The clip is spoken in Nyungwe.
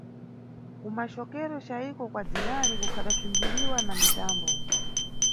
Kumacokero cayiko kwa dzinali kukadaswimphiridwa na mitambo.